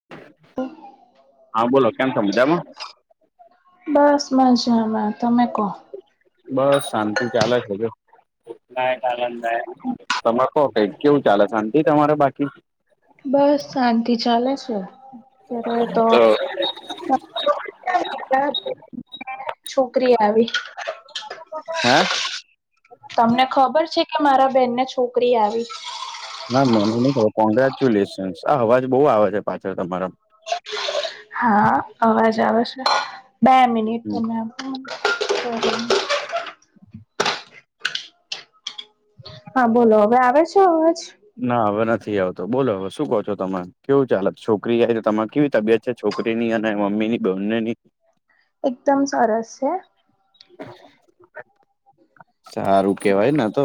[unintelligible] હા બોલો કેમ સો મજામાં? બસ મજામાં. તમે કહો. બસ શાંતિ ચાલે છે જો. તમારે તો કેવું ચાલે શાંતિ તમારે બાકી? બસ શાંતિ ચાલે છે અત્યારે તો છોકરી આવી. હે? તમને ખબર છે કે મારા બેનને છોકરી આવી? ના મને નથી ખબર કોંગ્રેચ્યુલેશનસ આ અવાજ બહુ આવે છે પાછળ તમારા. હા અવાજ આવે છે બે મિનિટ તમે આપ. હા બોલો હવે આવે છે અવાજ? ના હવે નથી આવતો બોલો હવે શું કહો છો તમે કેવું ચાલત છોકરી આઈ તો તમારે કેવી તબિયત? છોકરીની અને મમ્મીની બને ની. એકદમ સરસ છે. સારું કેવાય ને આ તો.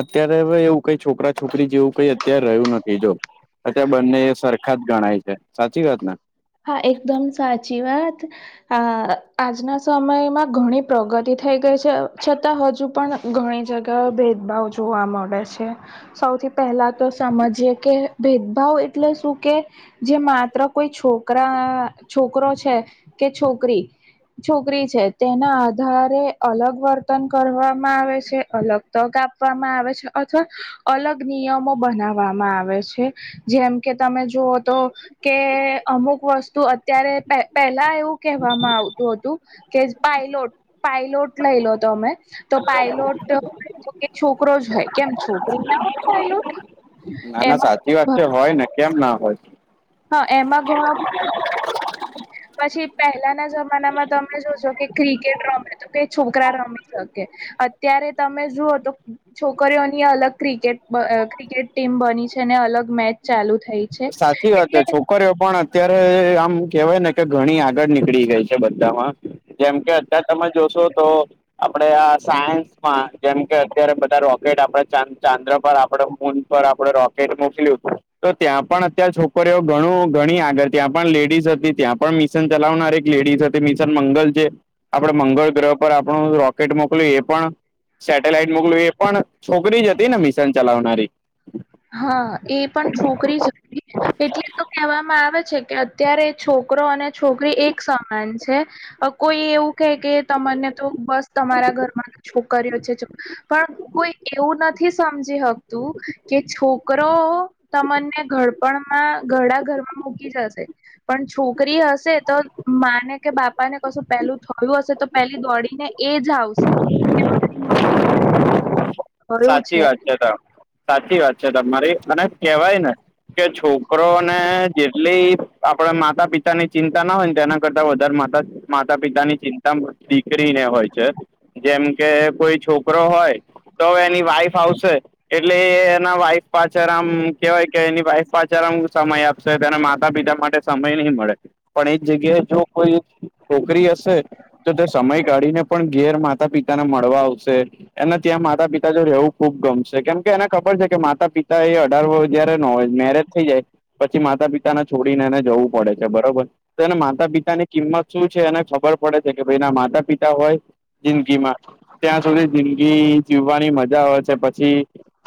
અત્યારે હવે એવું કંઈ છોકરા છોકરી જેવું કઈ અત્યારે રહ્યું નથી જો. અત્યારે બંને એ સરખા જ ગણાય છે સાચી વાત ને? હા એકદમ સાચી વાત. આ આજના સમયમાં ઘણી પ્રગતિ થઈ ગઈ છે છતાં હજુ પણ ઘણી જગા ભેદભાવ જોવા મળે છે સૌથી પેહલા તો સમજીએ કે ભેદભાવ એટલે શું કે જે માત્ર કોઈ છોક છોકરા છોકરો છે કે છોકરી. છોકરી છે તેના આધારે અલગ વર્તન કરવામાં આવે છે અલગ તક આપવામાં છે અથવા અલગ નિયમો બનાવવામાં આવે છે. જેમ કે તમે જુવો તો કે અમુક વસ્તુ અત્યારે પે-પહેલા એવું કહેવામાં આવતું હતું કેજ પાયલોટ પાયલોટ લઈ લો તો અમે તો પાયલોટ તો કે છોકરો જ હોય કેમ છોકરી ના હોય પાયલોટ? ના ના સાચી વાત એમાં છે હો. કેમ ના હોય. હા એમાં ઘણો પછી પહેલાના જમાનામાં તમે જોજો કે ક્રિકેટ રમે તો કે છોકરા રમી શક કે અત્યારે તમે જુઓ તો છોકરીઓની અલગ ક્રિકેટ બ ક્રિકેટ ટીમ બની છે ને અલગ મેચ ચાલુ થઈ છે સાચી વાત હે એટલે છોક કરીઓ પણ અત્યારે આમ કેવાય ને કે ઘણી આગળ નીકળી ગઈ છે બધામાં. જેમ કે અત્યારે તમે જોશો તો આપડે આ સાયન્સમાં જેમ કે અત્યારે બધા રોકેટ આપણે ચા ચાંદ્ર પર આપડે મૂન પર આપડે રોકેટ મોકલ્યું તો ત્યાં પણ અત્યાર છોકરીઓ ઘણું ઘણી આગળ ત્યાં પણ લેડીઝ હતી ત્યાં પણ મિશન ચલાવનાર એક લેડીઝ હ તે મિશન મંગલ જે આપણે મંગળ ગ્રહ પર આપણું રોકેટ મોકલ્યું એ પણ સેટેલાઈટ મોકલવી એ પણ છોકરી જ હતી ને મિશન ચલાવનારી? હા એ પણ છોકરી જ હતી એટલે તો કહેવામાં આવે છે કે અત્યારે છોકરો અને છોકરી એક સમાન છે. અહ કોઈ એવું કે કે તમને તો બસ તમારા ઘરમાં છોકરીઓ છે. પણ કોઈ એવું નથી સમજી હકતું કે છોકરો તમને ઘડપણમાં ઘડા ઘરમાં મૂકી જશે. પણ છોકરી હશે તો માને કે બાપા ને કશું પેલું થયું હશે પેલી દોડીને એજ આવશે. કે મારી મમ્મી સાચી વાત છે તો. સાચી વાત છે તમારી મને કેહેવાય ને કે છોકરો ને જેટલી આપડી માતા પિતા ની ચિંતા ના હોય ને તેના કરતા વધારે માતા માતા પિતા ની ચિંતામાં દીકરીને હોય છે જેમ કે કોઈ છોકરો હોય તો એની વાઇફ આવશે એટલે એ એના વાઈફ પાછળમ કેવાય કે એની વાઈફ પાછરા સમય આપ પશે તેને માતા પિતા માટે સમય નહીં મળે. પણ એ જગ્યાએ જો કોઈ છોકરી હશે તો તે સમય કાઢીને પણ ઘેર માતા પિતાને મળવા આવશે અને ત્યાં માં તા પિતા જો રહેવું ખુબ ગમશે કેમ કે એને ખબર છે કે માતા પિતા એ અઢાર વર્ષ જયારે ન હોય મેરેજ થઈ જાય પછી માતા પિતાને છોડીને એને જવું પડે છે બરોબર. તો એના માતા પિતાની કિંમત શું છે એને ખબર પડે છે કે ભાઈ એના માતા પિતા હોય જિંદગીમાં ત્યાં સુધી જિંદગી જીવવાની મજા આવેય છે. પછી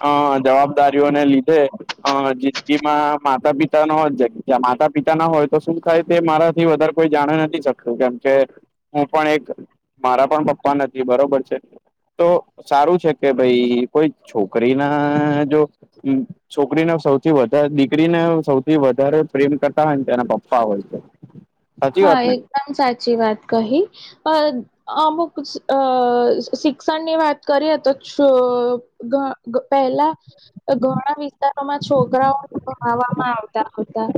અહ જવાબદારીઓને લીધે અહ જિંદગીમાં માતા પિતા ન જ જ્યા માતા પિતા ના હોય તો શું થાય તે મારાથી વધારે કોઈ જાણ નથી શકતું કેમ કે હું પણ એક મારા પણ પપ્પા નથી બરોબર છે તો સારું છે કે ભઈ કોઈ છોકરી ના જો છોકરીને, સૌથી વધારે દીકરીને, સૌથી વધારે પ્રેમ કરતા હોય ને, તેના પપ્પા હોય છે. સાચી હા, વાત ને એકદમ સાચી વાત કહી અ- અ અમુક, અ શિક્ષણની વાત કરીએ તો- ગ પહેલા- ઘણા વિસ્તારોમાં, છોકરાઓ [unintelligible] આવતા હતા.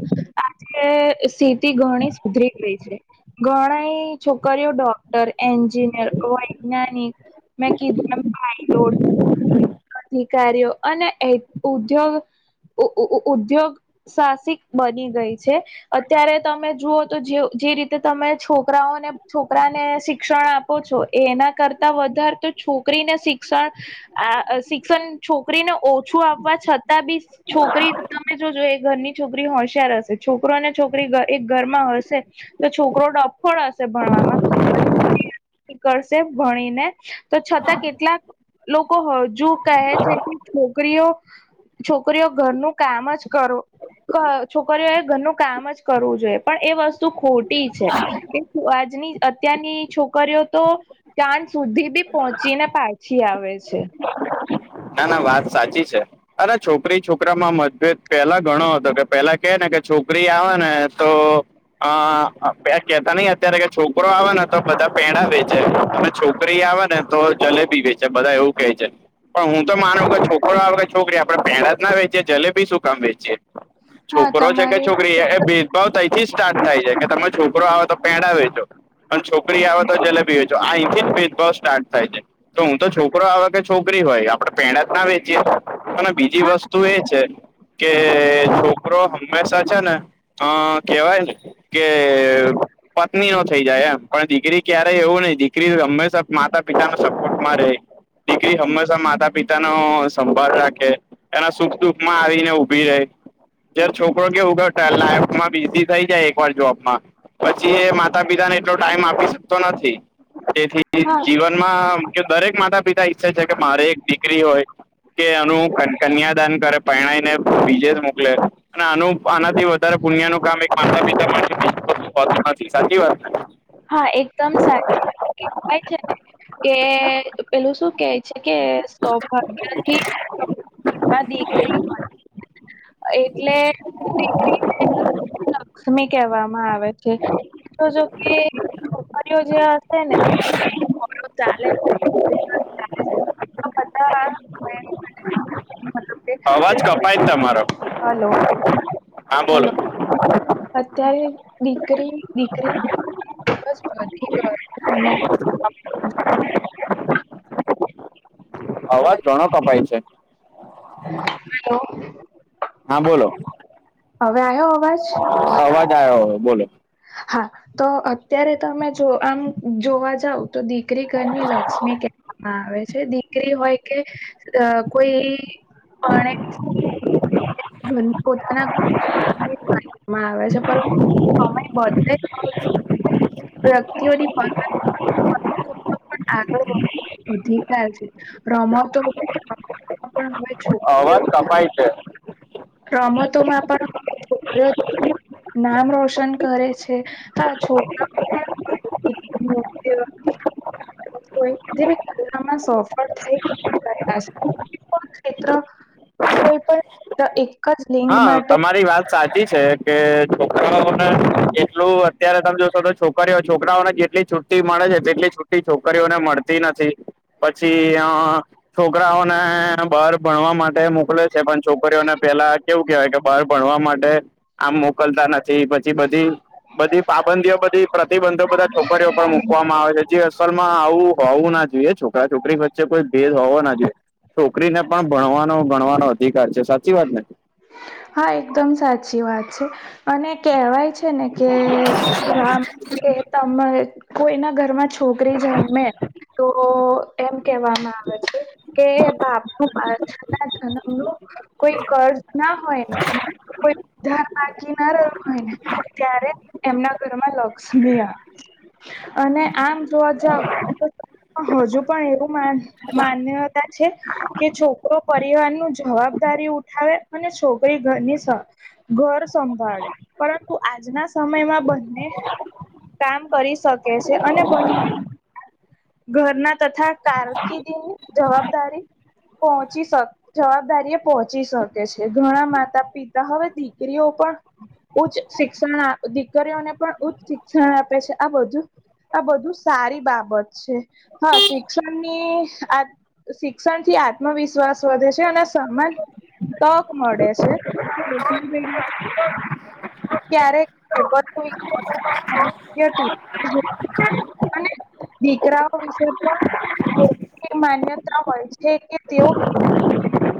આજે, સ્થિતિ ઘણી સુધરી ગઈ છે. ઘણી છોકરીઓ ડોક્ટર, એન્જિનિયર, વૈજ્ઞાનિક- મે કીધું એમ પાયલોટ- -અધિકારીઓ અને ઉદ્યોગ- ઉદ્યોગ સાહસિક બની ગઈ છે. અત્યારે તમે જુઓ- -જે રીતે તમે છોકરાઓને છોકરાને શિક્ષણ આપો છો, એના કરતા- -વધારે તો છોકરીને શિક્ષણ- આ શિક્ષણ છોકરીને ઓછું આપવા છતાં બી- છોકરી તમે જો જો, ઘરની છોકરી હોશિયાર હશે. છોકરો અને છોકરી એક ઘરમાં- -તો છોકરો ડફોળ હશે ભણવામાં- કરશે ભણીને તો છતાં કેટલાક- લોકો, હજુ કહે છે કે છોકરીઓ- છોકરીઓ, ઘરનું કામ જ કરો છોકરીઓએ ઘરનું કામ જ કરવું જોઈએ, પણ એ વસ્તુ ખોટી છે. કે આજની, અત્યારની છોકરીઓ તો! -ચાંંદ સુધી બી પહોંચી ને પાછી આવે છે. ના, ના, વાત સાચી છે. અરે, છોકરી છોકરામાં મતભેદ પેલા ઘણો હતો. કે પેલા કે ને કે, છોકરી આવે ને તો- અ કેતા નઈ અત્યારે, છોકરો આવે ને તો બધા પેંડા વેચે અને છોકરી આવે ને- તો, જલેબી વેચે બધા એવું કહે છે. પણ, હું તો માનું કે, છોકરો આવે કે છોકરી, આપણે પેંડા જ ના વેચીએ જલેબી શું કામ વેચીએ. હા છોકરો છે કે, તમારી છોકરી એ- બઉ તૈથી સ્ટાર્ટ થાય છે કે, તમે છોકરો આવે તો પેંડા વેચો. અને છોકરી આવે તો જલેબી વેચો, આ અહીંથી જ ભેદભાવ સ્ટાર્ટ થાય છે. તો હુંતો, છોકરો આવે કે છોકરી- જેબી હોય, આપણે પેંડા જ ના વેચી એ, અને બીજી હા વસ્તુ એ છે- કે, છોકરો હંમેશા છે ને, અ કેવાય- કે- પત્નીનો થઇ જાય એમ, પણ દીકરી, ક્યારેય એવું નહી, દીકરી હંમેશા માતા પિતાનો સપોર્ટ માં રહે. દીકરી હંમે- માતા પિતા નો સંભાળ રાખે, એના સુખ દુખ માં આવીને ઉભી રહે. જયારે, છોકરો કેવું, લાઈફમાં બીઝી થઈ જાય, એક વાર જોબમાં- પછી, એ માતા પિતાને એટલો ટાઈમ આપી શકતો નથી. તેથી- હા જીવનમાં, દરેક માતા પિતા ઈચ્છે છે કે, મારે એક દીકરી હોય! કે, એનું કન કન્યાદાન કરે, પરણાઈને બીજે મોકલે. અને આનું, આનાથી વધારે, પુણ્યનું કામ એક માતા પિતા માટે [unintelligible] સાચી વાત ને? હા, એકદમ સાચ- કેહવાય છે ને, કે- પેલું શું કેય છે? કે સૌભાગ્યથી ઘરમાં દીકરી હોય! એટલે દીકરીને- લક્ષ્મી કહેવામાં આવે છે, તો જોકે છોકરીઓ જે હશે ને [unintelligible] [unintelligible] અવાજ કે કપાય તમારો. હલો હા, બોલો. હલો અત્યારે દીકરી દીકરીનો [unintelligible] અવાજ ઘણો કપાય છે, હેલો, હા બોલ લો હવે આયો અવાજ? અવાજ આયો હવે બોલો. હા, તો અત્યારે તમે જો, આમ જોવા જાવ. તો દીકરી ઘરની લક્ષ્મી કહેવામાં આવે છે, દીકરી હોય કે અ કોઈ પરણેલી સ્ત્રી [unintelligible] [unintelligible] [unintelligible] આગળ અધિકાર છે, રમતો પણ હવે અવાજ છોકરીઓ કપાય છે. રમતોમાં પણ [unintelligible] નામ રોશન કરે છે, હા છોકરા પણ [unintelligible] [unintelligible] [unintelligible] કોઈ પણ ક્ષેત્ર કોઈ પણ જ લિંગ હા, માટે તમારી વાત સાચી છે, કે છોકરાઓને જેટલું અત્યારે તમે જોશો તો છોકરીઓ છોકરાઓને જેટલી છુટ છુટી મળે છે, તેટલી છુટી છોકરીઓને મળતી નથી, પછી અ છોકરાઓને બહાર ભણવા માટે મોકલે છે, પણ છોકરીઓને પેલા કેવું કેવાયકે, બહાર ભણવા માટે આમ મોકલતા નથી, પછી બધી બધી પાબંદીઓ, બધી પ્રતિબંધો, બધા છોકરીઓ પર મુકવામાં આવે છે, જે અસલમાં આવું હોવું ના જોઈએ, છોકરા છોકરી વચ્ચે કોઈ ભેદ હોવો ના જોઈએ. છોકરીને પણ ભણવાનો ગણવાનો અધિકાર છે, સાચી વાત ને હા એકદમ સાચી વાત છે. અને કેહેવાય છે, ને કે આમ કે તમે કોઈના ઘરમાં છોકરી જન્મે તો એમ કેહેવામાં આવે છે, કે બાપનું પાછ પાછલા જનમ નું કોઈ કર્જ ના હોયને, કોઈ ધાર બાકી ના રહ્યો હોય ને, ત્યારે તેમના ઘરમાં લક્ષ્મી આવ અને આમ જોવા જાવ, તો હજુ પણ એવું માન માન્યતા છે. કે છોકરો પરિવાર નું જવાબદારી ઉઠાવે, અને છો છોકરી ઘરની સ, ઘર સંભાળે, પરંતુ આજના સમયમાં બંને કામ કરી શકે છે, અને બંને ઘરના તથા કારકિર્દીની જવાબદારી પહોચી શ, જવાબદારી એ પહોંચી શકે છે, ઘણા માતા પિતા, હવે દીકરીઓ પણ ઉચ્ચ શિક્ષણ આ દીકરીઓને પણ ઉચ્ચ શિક્ષણ આપે છે, આ બધું આ બધું સારી બાબત છે, હા, શિક્ષણની આ શિક્ષણથી આત્મવિશ્વાસ વધે છે અને સમાન તક મળે છે. તે બધા જઈ રહ્યા. [inaudible] ક્યારેક છોકરીઓ એટલે [inaudible] ટીવી જોવાની અને દીકરાઓ વિશે પણ એવી માન્યતા હોય છે કે તેઓ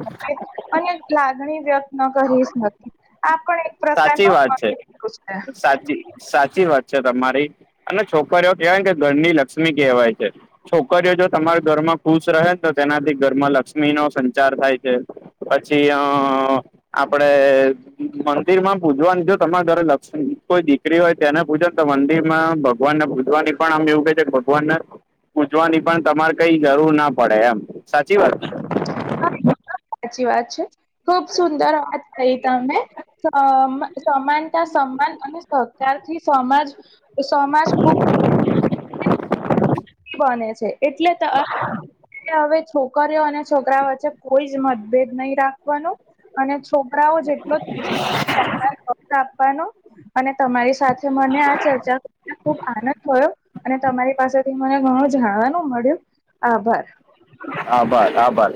[inaudible] અને લાગણી વ્યક્ત ન કરીશ નથી, આ પણ એક સાચી પ્રકારનો વાત છે. છે બસ, સાચી સાચી વાત છે તમારી અને છોકરીઓ કેવાય ને કે ઘરની લક્ષ્મી કેવાય છે. છોકરીઓ જો તમારા ઘરમાં ખુશ રહે ને તો તેનાથી ઘરમાં લક્ષ્મીનો સંચાર થાય છે. પછી અ આપડે મન દિરમાં પૂજવાની જો તમારે ઘરે લક્ષ્મી કોઈ દીકરી ઓય તેને પૂજો ને તો મંદિરમાં ભગવાન ને પૂજવાની. પણ આમ એવું કેય છે કે ભગવાન ને પૂજવાની પણ તમારે કઈ જરૂર ના પળે એમ સાચી વાત ને? હા, એકદમ સાચી વાત છે. ખૂબ સુંદર વાત કહી તમે તો મે સમાનતા સમાન અને સહકાર થી સમાજ સમાજ ખૂબ [inaudible] ખી બને છે એટલે ત મેં અવે છોકરીઓ અને છોકરા વચ્ચે કોઈ જ મતભેદ નઈ રાખવાનું અને છોક કરાઓ જેટલો જ [unintelligible] હક આપવાનો. અને તમારી સાથે મને આ ચર્ચા કરીને ખૂબ આનંદ થયો અને તમારી પાસે મને ઘણું જાણવાનું મળ્યું, આભાર! આભાર! આભાર!